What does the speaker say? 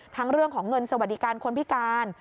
เรื่องของเงินสวัสดิการคนพิการ